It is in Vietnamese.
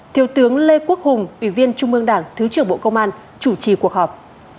thiếu tướng lê quốc hùng ủy viên trung mương đảng thứ trưởng bộ công an chủ trì cuộc họp